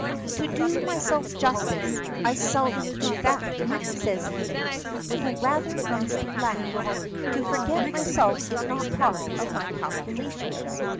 "To do myself justice, I seldom do that!" says he, with a rather nasty laugh. "To forget myself is not part of my calculations.